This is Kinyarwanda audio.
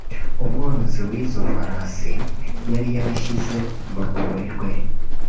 umworozi w’izo farasi yari yarashyize mu rwuri rwe